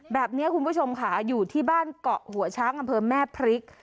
แบบนี้คุณผู้ชมค่ะอยู่ที่บ้านเกาะหัวช้างอำเภอแม่พริก